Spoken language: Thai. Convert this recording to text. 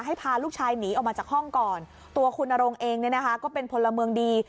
พาลูกชายหนีออกมาจากห้องก่อนตัวคุณนรงเองเนี่ยนะคะก็เป็นพลเมืองดี